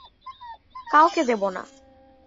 কাউকে দেব না।